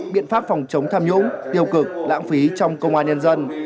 biện pháp phòng chống tham nhũng tiêu cực lãng phí trong công an nhân dân